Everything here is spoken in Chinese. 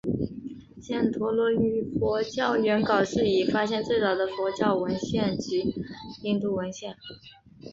犍陀罗语佛教原稿是已发现最早的佛教文献及印度文献。